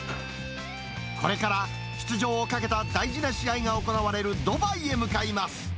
これから出場をかけた大事な試合が行われるドバイへ向かいます。